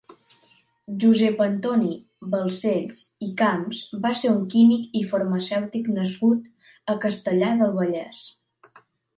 Josep Antoni Balcells i Camps va ser un químic i farmacèutic nascut a Castellar del Vallès.